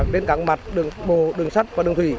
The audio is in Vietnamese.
đến các mặt đường sắt và đường thủy